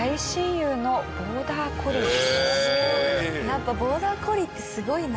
やっぱボーダー・コリーってすごいな。